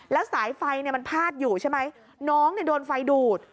แล้วสายไฟเนี่ยมันพาดอยู่ใช่ไหมน้องเนี่ยโดนไฟดูด